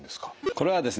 これはですね